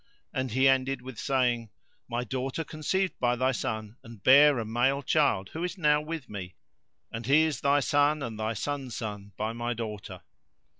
And he ended with saying, "My daughter conceived by thy son and bare a male child who is now with me, and he is thy son and thy son's son by my daughter."